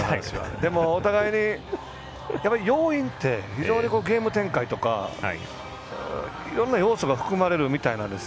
でもお互いに要因ってゲーム展開とかいろんな要素が含まれるみたいなんです。